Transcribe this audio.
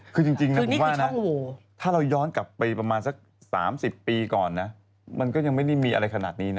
คือจริงนะผมว่านะถ้าเราย้อนกลับไปประมาณสัก๓๐ปีก่อนนะมันก็ยังไม่ได้มีอะไรขนาดนี้นะ